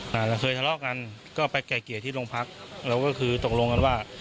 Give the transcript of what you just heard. เราเคยทะเลาะกันก็ไปไกลเกลี่ยที่โรงพักเราก็คือตกลงกันว่า